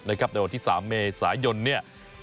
ในวันที่๓เมศสายยนต์เนี่ย